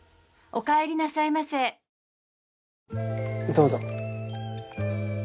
どうぞ。